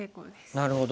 なるほど。